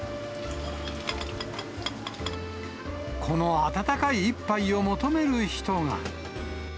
この温かい一杯を求める人が。